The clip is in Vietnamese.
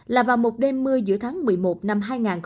là vào một đêm mưa giữa tháng một mươi một năm hai nghìn bốn